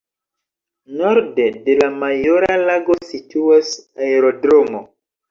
Norde de la Majora Lago situas aerodromo.